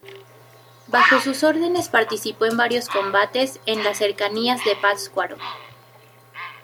Bajo sus órdenes participó en varios combates en las cercanías de Pátzcuaro.